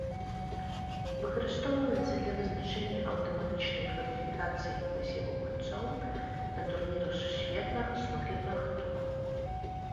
Выкарыстоўваецца для вызначэння аўтаматычнай кваліфікацыі і пасеву гульцоў на турнірах сусветнага снукернага туру.